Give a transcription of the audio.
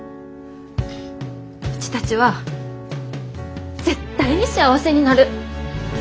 うちたちは絶対に幸せになる！